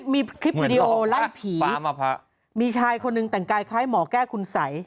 มีคลิปวิดีโอไล่ผีมีชายคนหนึ่งแต่งกายคล้ายหมอแก้คุณสัย